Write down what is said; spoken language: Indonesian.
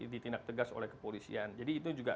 ditindak tegas oleh kepolisian jadi itu juga